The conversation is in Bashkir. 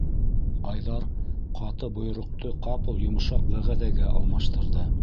Айҙар ҡаты бойороҡто ҡапыл йомшаҡ вәғәҙәгә алмаштырҙы: